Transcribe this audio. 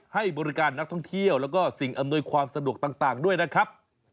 ให้บริการนักท่องเที่ยวแล้วก็สิ่งอำนวยความสะดวกต่างด้วยนะครับ